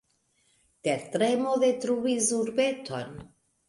Tertremo detruis urbeton.